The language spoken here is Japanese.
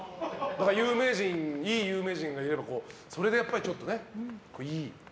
いい有名人がいればそれでやっぱり、ちょっとね。